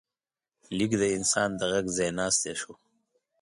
لیک د انسان د غږ ځای ناستی شو.